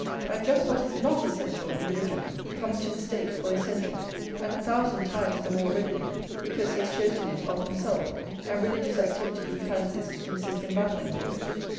And just what is not essential in religion he comes to mistake for essential, and a thousand times the more readily because he has chosen it of himself; and religious activity he fancies to consist in battling for it.